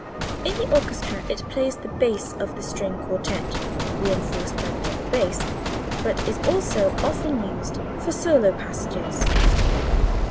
In the orchestra it plays the bass of the string quartet (reinforced by the double bass), but is also often used for solo passages.